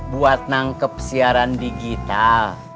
buat nangkep siaran digital